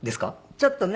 ちょっとね。